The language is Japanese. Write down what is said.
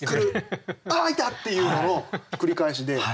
ああいた！っていうのの繰り返しで。